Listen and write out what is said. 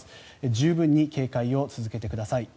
十分に警戒を続けてください。